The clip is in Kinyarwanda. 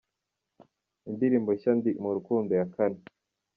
Indirimbo nshya Ndi mu rukundo ya Kane.